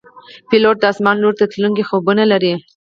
پیلوټ د آسمان لور ته تلونکي خوبونه لري.